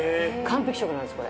完璧食なんです